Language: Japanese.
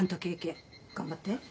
頑張って。